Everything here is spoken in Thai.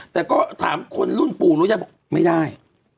แต่ก็ถามคนรุ่นปูรู้ไว้ไม่ได้